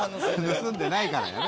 盗んでないからやめろ！